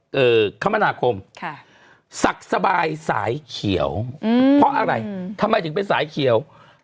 การกระทรวงคมนาคมศักดิ์สบายสายเขียวเพราะอะไรทำไมถึงเป็นสายเขียว